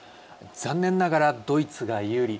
残念ながらドイツが有利。